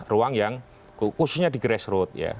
ruang yang khususnya di grassroot ya